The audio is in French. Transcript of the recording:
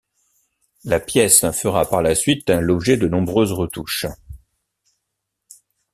La pièce fera par la suite l'objet de nombreuses retouches.